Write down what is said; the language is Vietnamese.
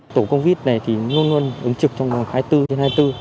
tổ covid này thì luôn luôn ứng trực trong hai mươi bốn trên hai mươi bốn